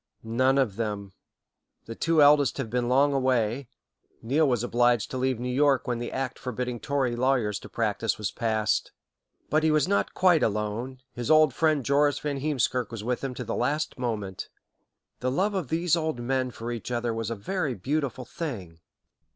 "None of them. The two eldest have been long away. Neil was obliged to leave New York when the Act forbidding Tory lawyers to practice was passed. But he was not quite alone, his old friend Joris Van Heemskirk was with him to the last moment. The love of these old men for each other was a very beautiful thing."